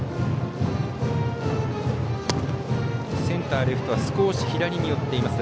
センター、レフトは少し左に寄っています。